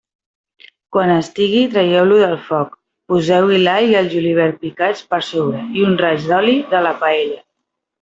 Quan estigui, traieu-lo del foc, poseu-hi l'all i el julivert picats per sobre i un raig de l'oli de la paella.